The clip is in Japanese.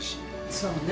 そうね。